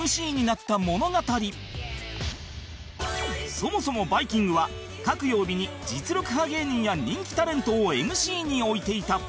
そもそも『バイキング』は各曜日に実力派芸人や人気タレントを ＭＣ に置いていた